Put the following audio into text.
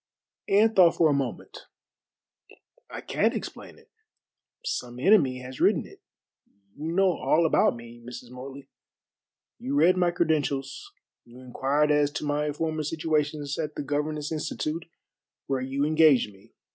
Anne thought for a moment. "I can't explain it. Some enemy has written it. You know all about me, Mrs. Morley. You read my credentials you inquired as to my former situations at the Governess Institute where you engaged me.